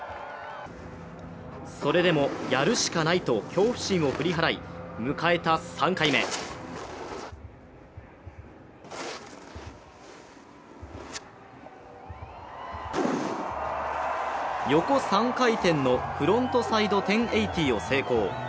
それでも、やるしかないと恐怖心を振り払い、迎えた３回目横３回転のフロントサイド１０８０を成功。